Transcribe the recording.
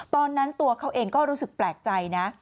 ตอนนั้นตัวเขาเองก็รู้สึกแปลกใจนะ